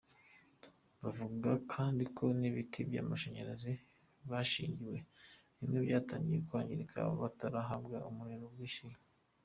Bavuga kandi ko n’ibiti by’amashanyarazi bashingiwe bimwe byatangiye kwangirika batarahabwa umuriro bishyuye.